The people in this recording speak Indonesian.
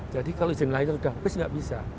jadi kalau izin layar sudah habis tidak bisa